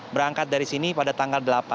berangkat dari sini pada tanggal delapan